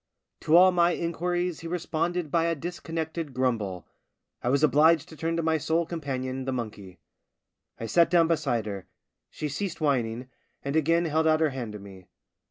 To all my inquiries he responded by a dis connected grumble. I was obliged to turn to my sole companion, the monkey. I sat down beside her ; she ceased whining, and again held out her hand to me.